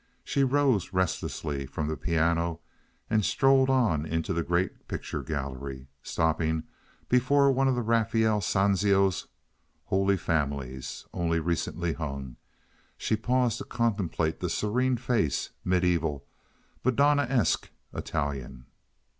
She rose restlessly from the piano, and strolled on into the great picture gallery. Stopping before one of Raphael Sanzio's Holy Families, only recently hung, she paused to contemplate the serene face—medieval, Madonnaesque, Italian.